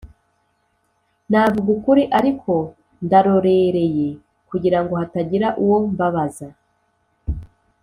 navuga ukuri ariko ndarorereye kugira ngo hatagira uwo mbabaza